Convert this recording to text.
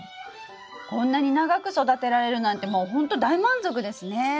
こんなに長く育てられるなんてもうほんと大満足ですね。